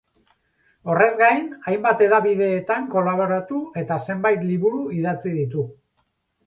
Horrez gain, hainbat hedabideetan kolaboratu eta zenbait liburu idatzi ditu.